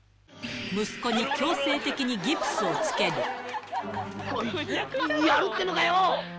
息子に強制的にギプスをつけやるってのかよ！